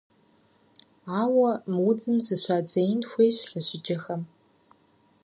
Ауэ мы удзым зыщадзеин хуейщ лъэщыджэхэм.